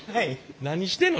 何してんの？